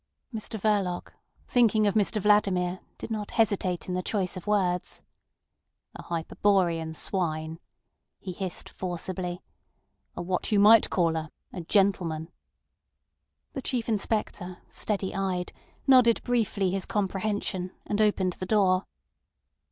Mr Verloc, thinking of Mr Vladimir, did not hesitate in the choice of words. "A Hyperborean swine," he hissed forcibly. "A what you might call a—a gentleman." The Chief Inspector, steady eyed, nodded briefly his comprehension, and opened the door.